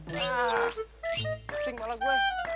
nah kasing malah gue